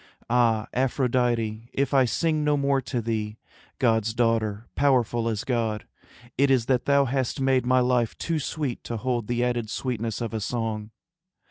Ah, Aphrodite, if I sing no more To thee, God's daughter, powerful as God, It is that thou hast made my life too sweet To hold the added sweetness of a song.